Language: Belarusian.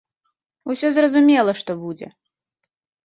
Усё зразумела, што будзе!